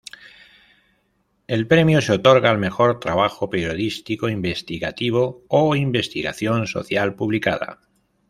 El Premio se otorga al mejor trabajo periodístico investigativo o investigación social publicada.